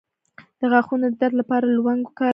د غاښونو د درد لپاره لونګ وکاروئ